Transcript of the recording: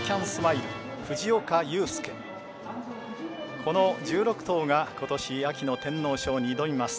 この１６頭がことし秋の天皇賞に挑みます。